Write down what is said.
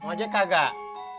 bang wajah kagak